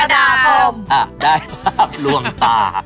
อ่ะได้ภาพลวงตา